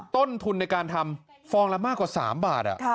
ต้นทุนในการทำฟองละมากกว่า๓บาท